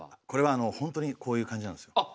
これはほんとにこういう感じなんですよ。